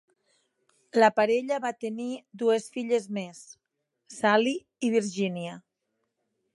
La parella va tenir dues filles més, Sally i Virginia.